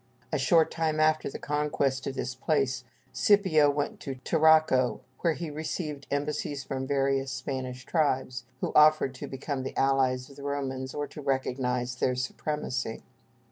A short time after the conquest of this place Scipio went to Tarraco, where he received embassies from various Spanish tribes, who offered to become the allies of the Romans or to recognize their supremacy.